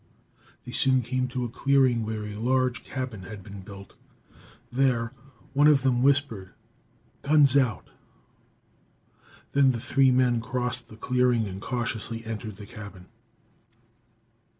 They soon came to a clearing where a large cabin had been built. There, one of them whispered, "Guns out!" Then the three men crossed the clearing and cautiously entered the cabin.